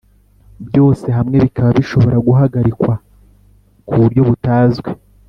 byose hamwe bikaba bishobora guhagarikwa ku buryo butazwi.